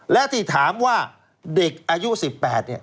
และที่ถามว่าเด็กอายุ๑๘เนี่ย